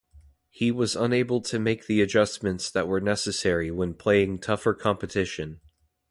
He was unable to make the adjustments that were necessary when playing tougher competition.